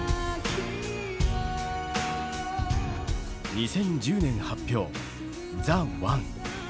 ２０１０年発表「ＴＨＥＯＮＥ」。